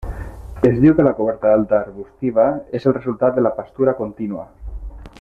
Es diu que la coberta alta arbustiva és el resultat de la pastura contínua.